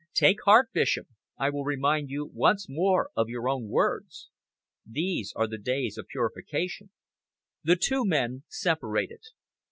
Take heart, Bishop. I will remind you once more of your own words 'These are the days of purification.'" The two men separated.